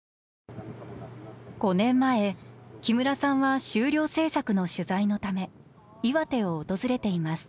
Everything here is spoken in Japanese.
５年前木村さんは修了制作の取材のため岩手を訪れています。